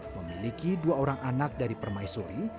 memiliki dua orang anak dari permaisuri